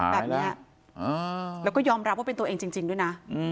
แบบนี้แล้วก็ยอมรับว่าเป็นตัวเองจริงด้วยนะ